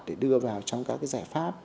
để đưa vào trong các cái giải pháp